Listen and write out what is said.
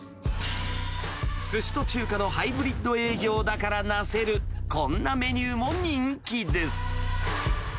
すしと中華のハイブリッド営業だからなせる、こんなメニューも人気です。